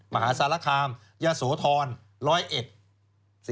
มหาศาลคามยะโสธรรมร้อยเอ็กซ์